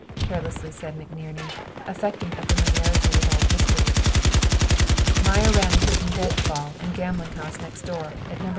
carelessly said McNerney, affecting a familiarity with old history. "Meyer ran a hidden dead fall and gambling house next door, at No.